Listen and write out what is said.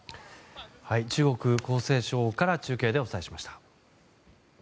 中国・江西省から中継でお伝えしました。